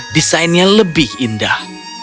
desainnya lebih indah